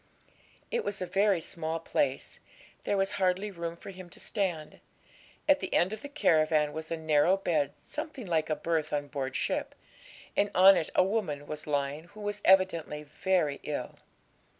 It was a very small place; there was hardly room for him to stand. At the end of the caravan was a narrow bed something like a berth on board ship, and on it a woman was lying who was evidently very ill.